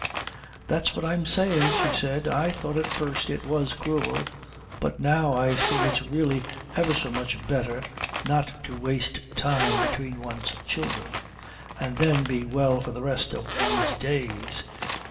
"That's what I'm saying," she said. "I thought at first it was cruel, but now I see it's really ever so much better not to waste time between one's children, and then be well for the rest of one's days.